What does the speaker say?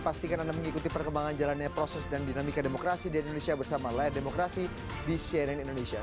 pastikan anda mengikuti perkembangan jalannya proses dan dinamika demokrasi di indonesia bersama layar demokrasi di cnn indonesia